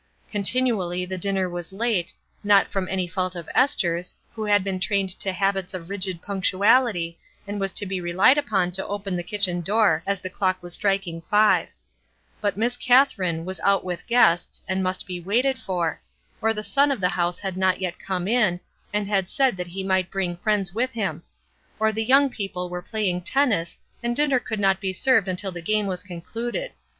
Continually the dinner was late, not from any fault of Esther's, who had been trained to habits of rigid punctuahty, and was to be relied upon to open the kitchen door as the clock was striking five — but Miss Katherine was out with guests, and must be waited for ; A REBEL 67 or the son of the house had not yet come in, and had said that he might bring friends with him; or the young people were playing tennis, and dinner could not be served until the game was concluded.